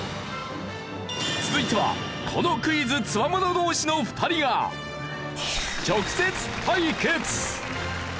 続いてはこのクイズつわもの同士の２人が直接対決！